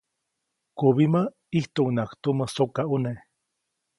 Kubimä, ʼijtuʼunŋaʼajk tumä sokaʼune.